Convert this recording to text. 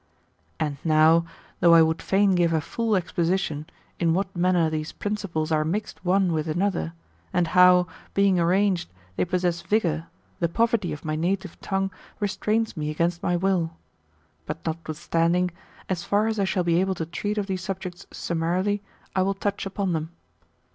And now, though I would fain give a full exposition, in what manner these principles are mixed one with another, and^how, being arranged, they possess vigour, the poverty of my native tongue restrains me against my will ; but notwith standing, as far as I shall be able to treat of these subjects summarily, I will touch upon them.